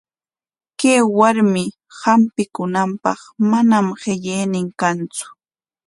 Kay warmi hampikunanpaq manam qillaynin kantsu.